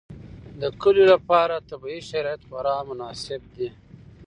د کلیو لپاره طبیعي شرایط خورا مناسب دي.